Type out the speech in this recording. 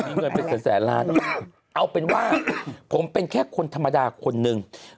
มีเงินเป็นแสนล้านเอาเป็นว่าผมเป็นแค่คนธรรมดาคนหนึ่ง